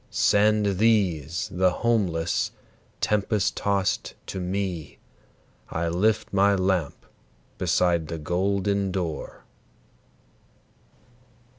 Send these, the homeless, tempest tost to me, I lift my lamp beside the golden door!"